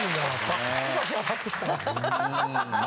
バッチバチ当たってたな。